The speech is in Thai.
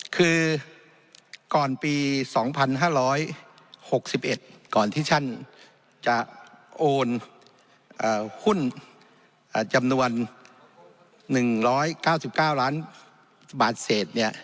คือก่อนปี๒๕๖๑ก่อนที่ท่านจะโอนหุ้นจำนวน๑๙๙ล้านบาทเศษเนี่ย